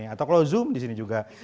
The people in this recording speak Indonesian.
atau kalau zoom di sini juga